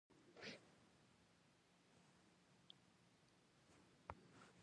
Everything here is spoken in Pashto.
افغانستان تر هغو نه ابادیږي، ترڅو لبنیات له بهره راوړل بند نشي.